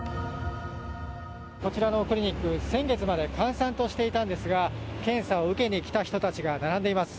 こちらのクリニック先月まで閑散としていたんですが検査を受けに来た人たちが並んでいます。